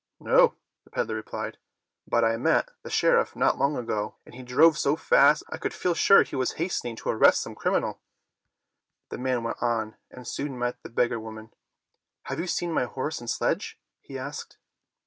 "No," the peddler replied, "but I met the sheriff not long ago, and he drove so fast I feel sure he w^s hastening to arrest some criminal." The man went on and soon met the beg gar woman. "Have you seen my horse and sledge.^" he asked.